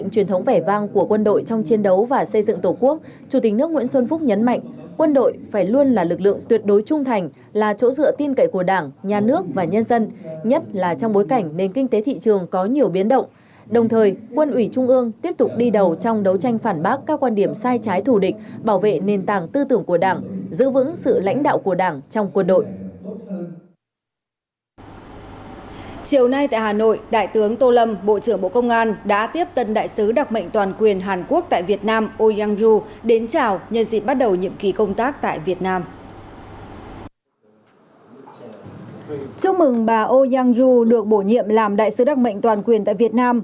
chúc mừng bà ôi yang ru được bổ nhiệm làm đại sứ đặc mệnh toàn quyền tại việt nam